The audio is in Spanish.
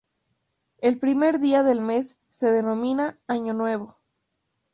El primer día del mes se denomina Año Nuevo.